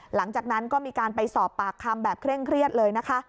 หลังจากนั้นก็มีการไปสอบปากคำแบบเคร่งเครียดเลยนะคะ